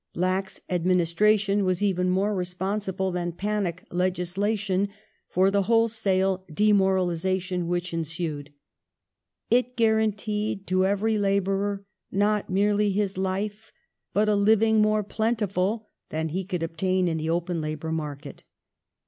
Lax administration was even more responsible than panic legislation for the wholesale demoralization which ensued. " It guaranteed to every labourer not merely his life, but a living more plentiful than he could obtain in the open labour mai'ket.